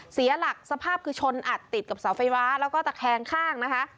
เสียหลักสภาพคือชนอัดติดกับเสาไฟฟ้าแล้วก็ตะแคงข้างนะคะ